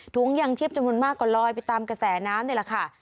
ถุงยางชีพจำนวนมากกว่าลอยไปตามกระแสน้ำนี่แหละค่ะ